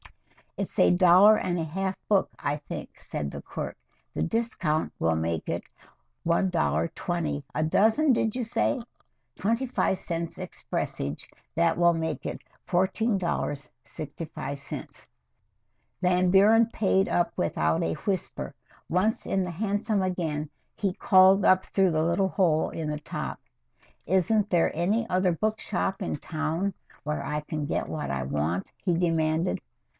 "It's a dollar and a half book, I think," said the clerk. "The discount will make it $1.20 a dozen, did you say? Twenty five cents expressage that will make it $14.65." Van Buren paid up without a whimper. Once in the hansom again, he called up through the little hole in the top. "Isn't there any other book shop in town where I can get what I want?" he demanded.